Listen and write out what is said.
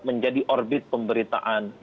menjadi orbit pemberitaan